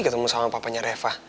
ketemu sama papanya reva